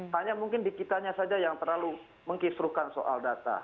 hanya mungkin dikitannya saja yang terlalu mengkistrukan soal data